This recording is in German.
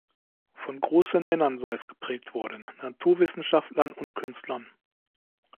Von großen Männern sei es geprägt worden, Naturwissenschaftlern und Künstlern.